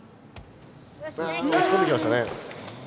押しこんできましたね。